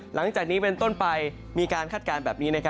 หลังจากนี้เป็นต้นไปมีการคาดการณ์แบบนี้